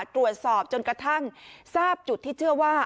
ตรวจสอบจนกระทั่งทราบจุดที่เชื่อว่า